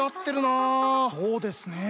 そうですねえ。